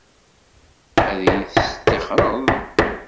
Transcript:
Ad iyi-testixxreḍ?